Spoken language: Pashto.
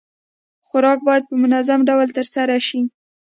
خوراک بايد په منظم ډول ترسره شي.